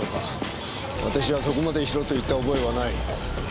私はそこまでしろと言った覚えはない。